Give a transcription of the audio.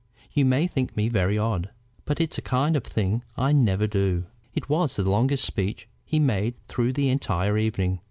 You may think me very odd, but it's a kind of thing I never do." It was the longest speech he made through the entire evening.